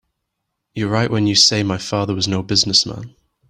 You're right when you say my father was no business man.